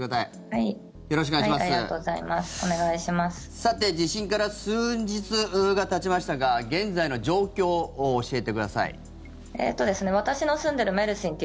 さて地震から数日がたちましたが現在の状況を教えてください。